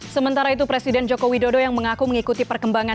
sementara itu presiden joko widodo yang mengaku mengikuti perkembangan